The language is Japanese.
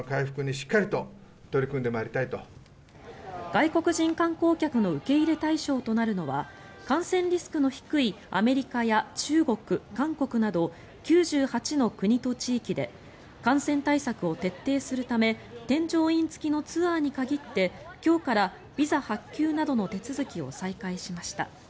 外国人観光客の受け入れ対象となるのは感染リスクの低いアメリカや中国、韓国など９８の国と地域で感染対策を徹底するため添乗員付きのツアーに限って今日からビザ発給などの手続きを再開しました。